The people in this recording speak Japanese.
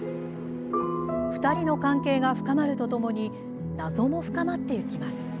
２人の関係が深まるとともに謎も深まっていきます。